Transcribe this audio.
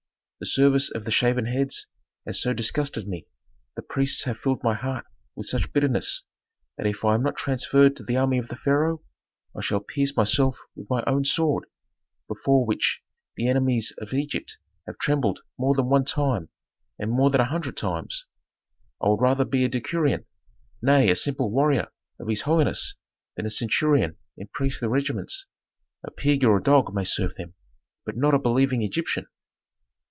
"The service of the shaven heads has so disgusted me, the priests have filled my heart with such bitterness, that if I am not transferred to the army of the pharaoh, I shall pierce myself with my own sword, before which the enemies of Egypt have trembled more than one time and more than a hundred times. I would rather be a decurion, nay a simple warrior of his holiness than a centurion in priestly regiments; a pig or a dog may serve them, but not a believing Egyptian!"